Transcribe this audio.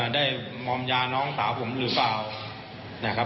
ได้มอบยาน้องสาวผมหรือเปล่า